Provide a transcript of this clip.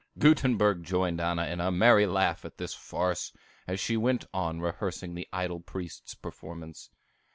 '" Gutenberg joined Anna in a merry laugh at this farce, as she went on rehearsing the idle priest's performance.